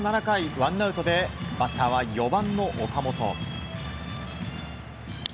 ワンアウトでバッターは４番の岡本。